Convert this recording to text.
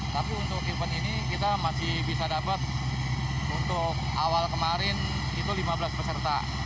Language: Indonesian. tapi untuk event ini kita masih bisa dapat untuk awal kemarin itu lima belas peserta